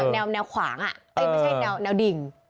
แนวขวางไม่ใช่แนวดิ่ง